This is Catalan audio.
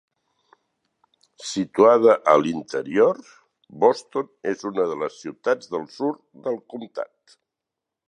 Situada a l'interior, Boston és una de les "ciutats del sud" del comtat.